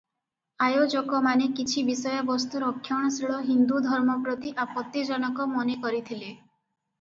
ଆୟୋଜକମାନେ କିଛି ବିଷୟବସ୍ତୁ ରକ୍ଷଣଶୀଳ ହିନ୍ଦୁ ଧର୍ମ ପ୍ରତି ଆପତ୍ତିଜନକ ମନେକରିଥିଲେ ।